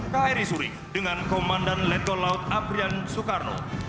kri suri dengan komandan letkol laut aprian soekarno